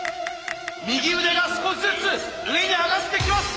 右腕が少しずつ上に上がってきます！